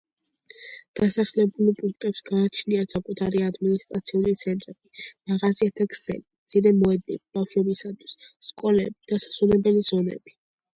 დასახლებულ პუნქტებს გააჩნიათ საკუთარი ადმინისტრაციული ცენტრები, მაღაზიათა ქსელი, მცირე მოედნები ბავშვებისათვის, სკოლები, დასასვენებელი ზონები.